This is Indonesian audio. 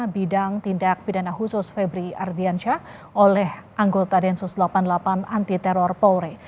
bidang tindak pidana khusus febri ardiansyah oleh anggota densus delapan puluh delapan anti teror polri